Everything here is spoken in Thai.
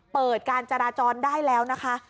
เปิดการจราจรได้แล้วนะคะ